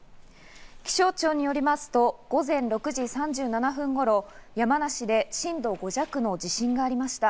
気象庁によりますと、午前６時３７分頃、山梨で震度５弱の地震がありました。